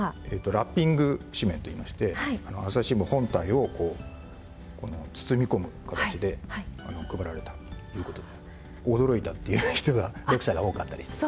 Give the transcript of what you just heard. ラッピング紙面といいまして『朝日新聞』本体を包み込む形で配られたという事で驚いたっていう人が読者が多かったりして。